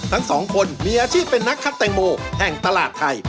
ทั้งสองคนมีอาชีพเป็นนักคัดแตงโมแห่งตลาดไทย